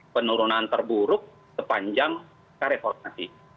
penurunan terburuk sepanjang reformasi